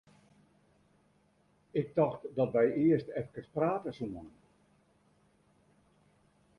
Ik tocht dat wy earst eefkes prate soene.